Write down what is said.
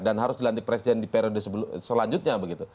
dan harus dilantik presiden di periode selanjutnya begitu